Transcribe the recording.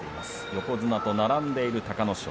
横綱と並んでいる隆の勝。